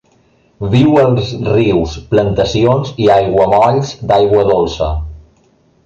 Viu als rius, plantacions i aiguamolls d'aigua dolça.